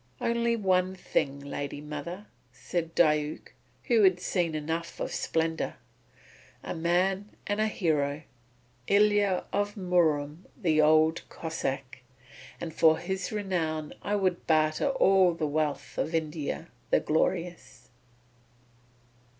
"Only one thing, lady mother," said Diuk, who had seen enough of splendour, "a man and a hero, Ilya of Murom the Old Cossáck. And for his renown I would barter all the wealth of India the Glorious."